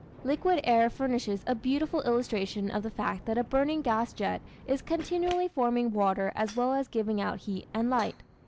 Liquid air furnishes a beautiful illustration of the fact that a burning gas jet is continually forming water as well as giving out heat and light.